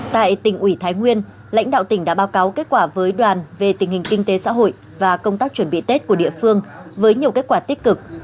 tại tỉnh ủy thái nguyên lãnh đạo tỉnh đã báo cáo kết quả với đoàn về tình hình kinh tế xã hội và công tác chuẩn bị tết của địa phương với nhiều kết quả tích cực